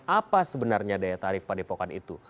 apa sebenarnya daya tarik padepokan itu